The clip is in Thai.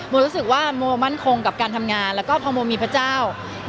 รู้สึกว่าโมมั่นคงกับการทำงานแล้วก็พอโมมีพระเจ้า